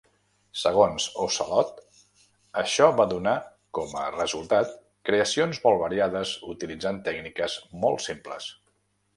Segons Ocelot, això va donar com a resultat creacions molt variades utilitzant tècniques molt simples.